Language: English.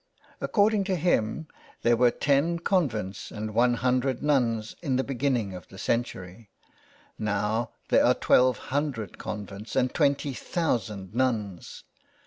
According to him there were ten convents and one hundred nuns in the beginning of the centur}', now there were twelve hundred convents and twenty thousand nuns.